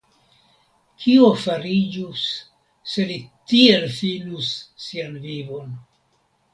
Kio fariĝus, se li tiel finus sian vivon!